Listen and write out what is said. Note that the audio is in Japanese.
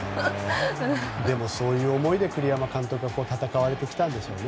でも、そういう思いで栗山監督は戦われてきたと。